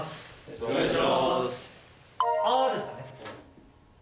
お願いします。